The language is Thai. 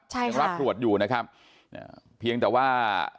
ใช่ยังรับตรวจอยู่นะครับเพียงแต่ว่า